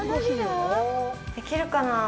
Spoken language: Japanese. できるかなあ。